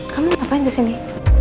kamu ngapain disini